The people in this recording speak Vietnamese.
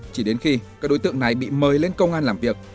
chỉ đến khi các đối tượng này bị mời lên công an làm việc